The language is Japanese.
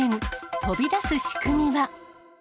飛び出す仕組みは。